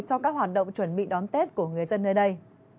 cho các hoạt động chuẩn bị đón tết của người dân nơi đây